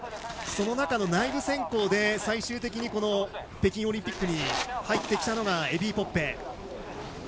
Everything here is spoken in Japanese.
その中の内部選考で最終的に北京オリンピックに入ってきたのがエビー・ポッペ。